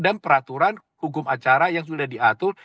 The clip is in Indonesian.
dan peraturan hukum acara yang sudah diatur